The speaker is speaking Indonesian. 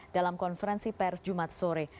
dalam konferensi pers jumat sore